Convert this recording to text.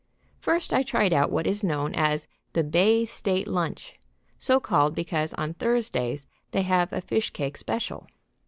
First, I tried out what is known as the Bay State Lunch, so called because on Thursdays they have a fishcake special.